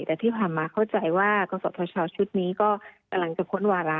แต่ที่ผ่านมาเข้าใจว่ากศธชชุดนี้ก็กำลังจะพ้นวาระ